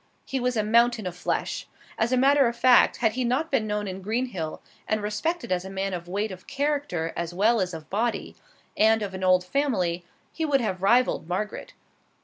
He was a mountain of flesh. As a matter of fact, had he not been known in Greenhill and respected as a man of weight of character as well as of body, and of an old family, he would have rivaled Margaret.